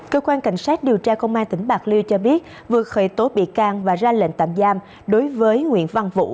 cơ quan cảnh sát điều tra công an tỉnh bạc liêu cho biết vừa khởi tố bị can và ra lệnh tạm giam đối với nguyễn văn vũ